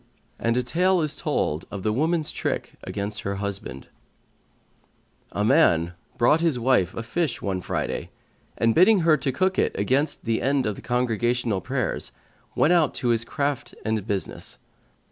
And a tale is told of THE WOMAN'S TRICK AGAINST HER HUSBAND A man brought his wife a fish one Friday and, bidding her to cook it against the end of the congregational prayers, went out to his craft and business.